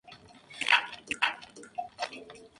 La Academia St.